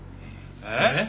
えっ？